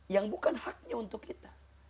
yang bukan haknya untuk kita